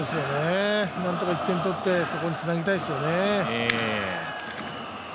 なんとか１点、取ってそこにつなぎたいですよね。